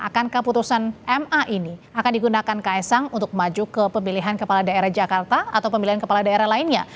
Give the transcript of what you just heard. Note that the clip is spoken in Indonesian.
akankah putusan ma ini akan digunakan ks sang untuk maju ke pemilihan kepala daerah jakarta atau pemilihan kepala daerah lainnya